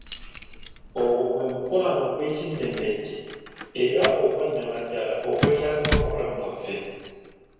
Ogwo gwe mukwano ogwekimmemmette era ogwa Nnamaddala ogwetaagibwa mu bulamu bwaffe.